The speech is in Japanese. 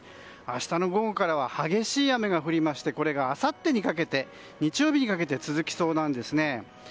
明日の午後からは激しい雨が降りましてこれがあさって日曜日にかけて続きそうなんですね。